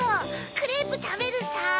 クレープたべるさ。